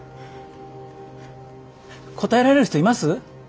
答えられる人います？